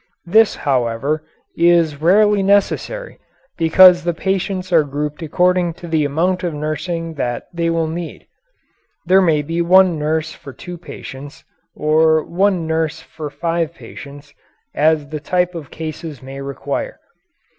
This, however, is rarely necessary because the patients are grouped according to the amount of nursing that they will need. There may be one nurse for two patients, or one nurse for five patients, as the type of cases may require.